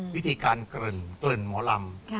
วิธีการเกริ่นหมอลำ